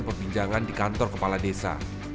perbincangan di kantor kepala desa